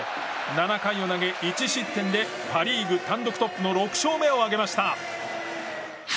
７回を投げ、１失点でパ・リーグ単独トップの６勝目を挙げました。